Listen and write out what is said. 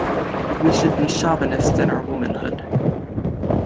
We should be chauvinist in our womanhood.